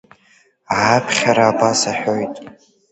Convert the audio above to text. Ааԥхьара абас аҳәоит…